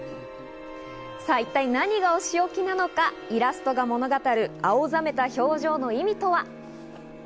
一体何がお仕おきなのか、イラストが物語る青ざめた表情の意味とは？